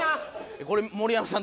これ盛山さん